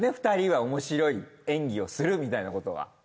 ２人はおもしろい演技をするみたいなことは。